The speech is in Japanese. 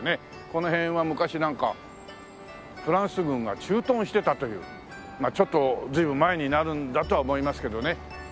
この辺は昔なんかフランス軍が駐屯してたというちょっと随分前になるんだとは思いますけどね。